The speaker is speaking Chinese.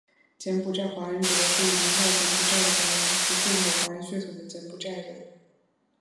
柬埔寨华人指的是移民到柬埔寨的华人及混有华人血统的柬埔寨人。